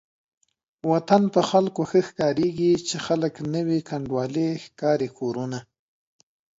وطن په خلکو ښه ښکاريږي چې خلک نه وي کنډوالې ښکاري کورونه